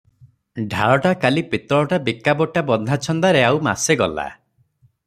ଢାଳଟା କାଲି ପିତ୍ତଳଟା ବିକାବଟା ବନ୍ଧାଛନ୍ଦାରେ ଆଉ ମାସେ ଗଲା ।